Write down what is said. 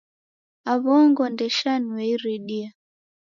Aw'ongo ndeshanuye iridia